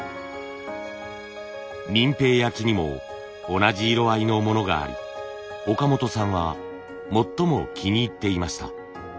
平焼にも同じ色合いのものがあり岡本さんは最も気に入っていました。